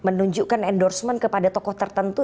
menunjukkan endorsement kepada tokoh tertentu